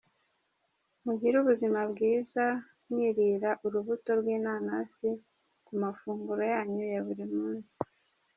Mugire ubuzima bwiza mwirira urubuto rw’inanasi ku mafunguro yanyu ya buri munsi.